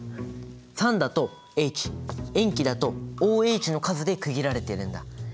酸だとＨ塩基だとＯＨの数で区切られてるんだ。